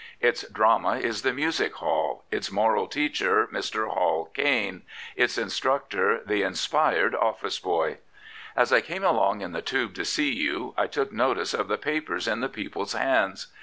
Its drama is the music hall; its moral teacher Mr. Hall Caine; its instructor the inspired office boy. As I came along in the Tube to see you, I took notice of the papers in the people's hands.